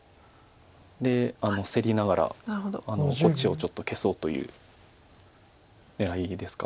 競りながらこっちをちょっと消そうという狙いですか。